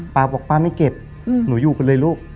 ป้าบอกป้าไม่เก็บหนูอยู่กันเลยลูก